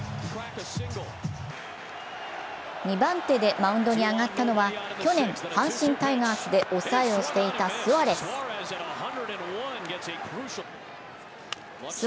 ２番手でマウンドに上がったのは去年、阪神タイガースで抑えをしていたスアレス。